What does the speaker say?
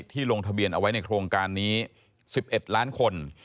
ลงทะเบียนเอาไว้ในโครงการนี้๑๑ล้านคน